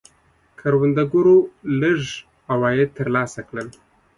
کروندګرو لږ عواید ترلاسه کول.